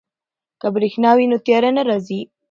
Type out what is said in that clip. که بریښنا وي نو تیاره نه راځي.